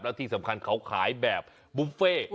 แล้วที่สำคัญเขาขายแบบบุฟเฟ่